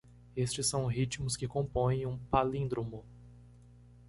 Estes são ritmos que compõem um palíndromo.